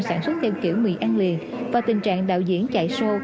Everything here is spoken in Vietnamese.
sản xuất theo kiểu mì ăn liền và tình trạng đạo diễn chạy sô